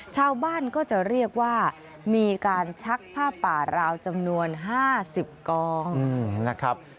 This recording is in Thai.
ชาวบ้านก็จะเรียกว่ามีการชักผ้าป่าราวจำนวน๕๐กองนะครับ